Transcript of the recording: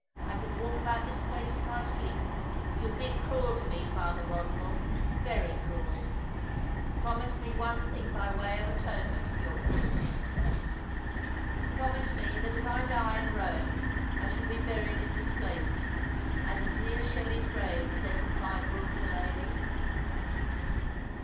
I could walk about this place in my sleep. You have been cruel to me. Father Eodwell, very cruel. Promise me one thing by way of atone mentj for your cruelty. Promise me that if I die in Eome I shall be buried in this place, and as near Shelley's grave as they can find room to lay me."